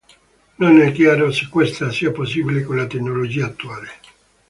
Non è chiaro se questo sia possibile con la tecnologia attuale.